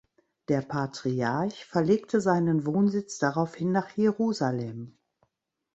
Der Patriarch verlegte seinen Wohnsitz daraufhin nach Jerusalem.